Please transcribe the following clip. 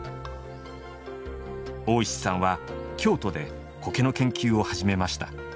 大石さんは京都で苔の研究を始めました。